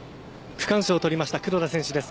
区間賞をとりました黒田選手です。